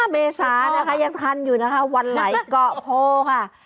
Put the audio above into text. เมษานะคะยังทันอยู่นะคะวันไหนเกาะโพค่ะ